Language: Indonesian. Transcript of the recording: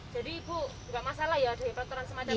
jadi ibu enggak masalah ya ada pelaturan semacam ini